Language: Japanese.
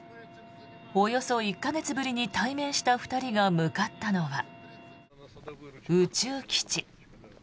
およそ１か月ぶりに対面した２人が向かったのは宇宙基地。